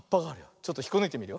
ちょっとひっこぬいてみるよ。